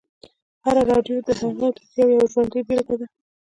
هره راډیو د هغه د زیار یوه ژوندۍ بېلګې ده